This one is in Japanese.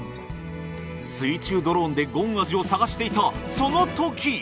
水中ドローンでごんあじを探していたそのとき！